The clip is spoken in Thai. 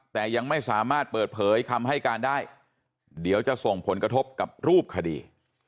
แต่ยังไม่สามารถเปิดเผยคำให้การได้เดี๋ยวจะส่งผลกระทบกับรูปคดี